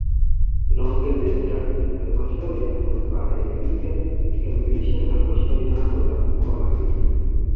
Inaongezeka halmashauri ya manispaa ya Iringa ikikamilisha halmashauri tano za mkoa wa Iringa